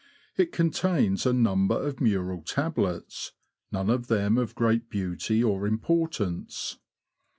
It contains a number of mural tablets, none of them of great beauty or importance.